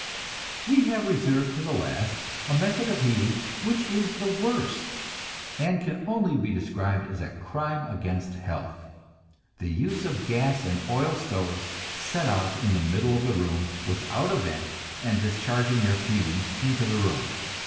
We have reserved to the last a method of heating which is the worst, and can only be described as a crime against health: the use of gas and oil stoves set out in the middle of the room, without a vent, and discharging their fumes into the room.